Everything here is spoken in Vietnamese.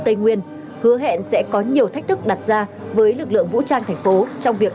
tây nguyên hứa hẹn sẽ có nhiều thách thức đặt ra với lực lượng vũ trang thành phố trong việc